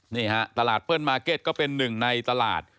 นี่ฮะตลาดเปิ้ลมาร์เก็ตก็เป็นหนึ่งในตลาด